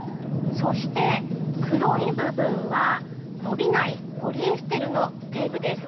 そして黒い部分は伸びないポリエステルのテープです。